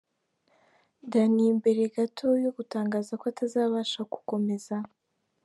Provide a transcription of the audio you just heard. Danny mbere gato yo gutangaza ko atazabasha gukomeza.